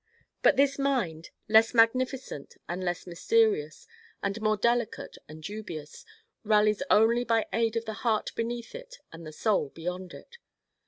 But this mind, less magnificent and less mysterious and more delicate and dubious, rallies only by aid of the heart beneath it and the soul beyond it.